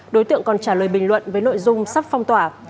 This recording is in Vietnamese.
đối tượng còn trả lời bình luận với nội dung sắp phong tỏa